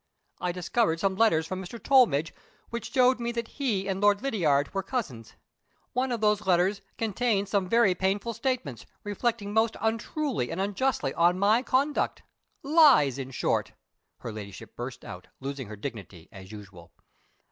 I discovered some letters from Mr. Tollmidge, which showed me that he and Lord Lydiard were cousins. One of those letters contains some very painful statements, reflecting most untruly and unjustly on my conduct; lies, in short," her Ladyship burst out, losing her dignity, as usual.